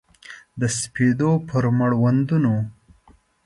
د سپېدو پر مړوندونو